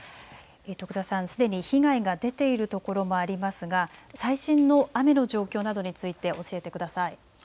徳田さん、すでに被害が出ているところもありますが最新の雨の状況などについて教えてください。